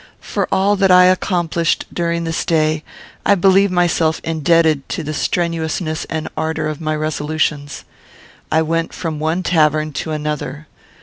For all that I accomplished during this day, I believe myself indebted to the strenuousness and ardour of my resolutions. I went from one tavern to another.